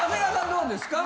どうですか？